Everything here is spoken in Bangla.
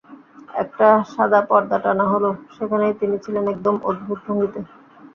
একটি সাদা পর্দা টানা হলো, সেখানেই তিনি ছিলেন, একদম অদ্ভুত ভঙ্গিতে।